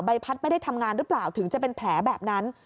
ใบพัดไม่ได้ทำงานหรือเปล่าถึงจะเป็นแผลแบบนั้น